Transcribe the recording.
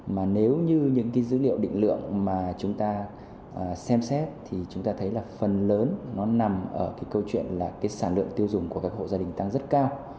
mà nếu như những cái dữ liệu định lượng mà chúng ta xem xét thì chúng ta thấy là phần lớn nó nằm ở cái câu chuyện là cái sản lượng tiêu dùng của các hộ gia đình tăng rất cao